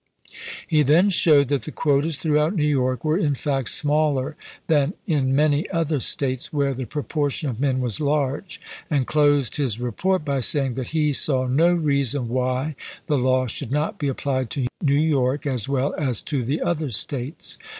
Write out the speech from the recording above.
He then showed that the quotas throughout New York were in fact smaller than in many other States where the proportion of men was large, and closed his report by saying that he saw " no reason why the law should not be applied to New York as well as i bid., P. eo. to the other States."